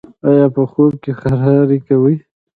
ایا په خوب کې خراری کوئ؟